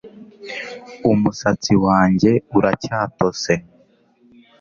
Umusatsi wanjye uracyatose